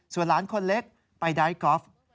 ส่วนหลานคนเล็กไปไดทอล์ฟ